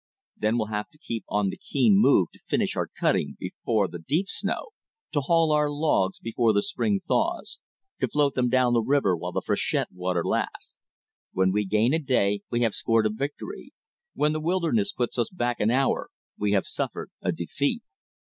Then we'll have to keep on the keen move to finish our cutting before the deep snow; to haul our logs before the spring thaws; to float them down the river while the freshet water lasts. When we gain a day we have scored a victory; when the wilderness puts us back an hour, we have suffered a defeat.